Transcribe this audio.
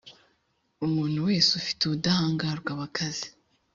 umuntu wese ufite ubudahangarwa abakaze